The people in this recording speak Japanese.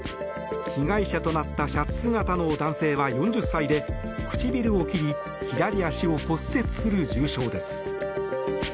被害者となったシャツ姿の男性は４０歳で唇を切り左足を骨折する重傷です。